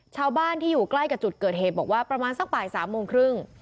ชาวบ้านที่อยู่ใกล้กับจุดเกิดเหตุบอกว่าประมาณสักบ่าย๓โมงครึ่ง